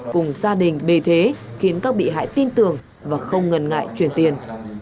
cùng gia đình bề thế khiến các bị hại tin tưởng và không ngần ngại chuyển tiền